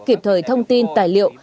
kịp thời thông tin tài liệu